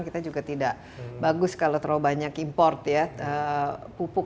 kita juga tidak bagus kalau terlalu banyak import ya pupuk